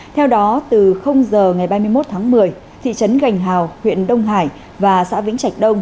theo đó từ giờ ngày ba mươi một tháng một mươi thị trấn gành hào huyện đông hải và xã vĩnh trạch đông